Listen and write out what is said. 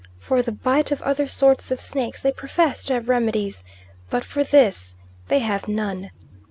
For the bite of other sorts of snakes they profess to have remedies, but for this they have none.